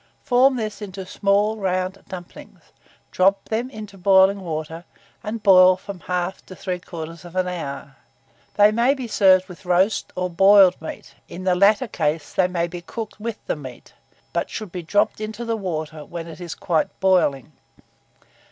Form this into small round dumplings; drop them into boiling water, and boil from 1/2 to 3/4 hour. They may be served with roast or boiled meat; in the latter case they may be cooked with the meat, but should be dropped into the water when it is quite boiling.